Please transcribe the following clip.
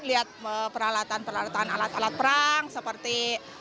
lihat peralatan peralatan alat alat perang seperti tank gitu ya